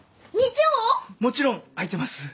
もちろん空いてます。